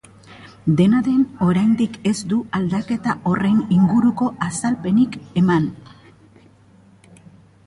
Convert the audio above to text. Dena den, oraindik ez du aldaketa horren inguruko azalpenik eman.